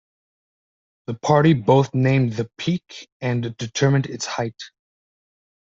The party both named the peak and determined its height.